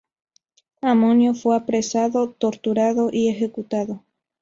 Amonio fue apresado, torturado y ejecutado.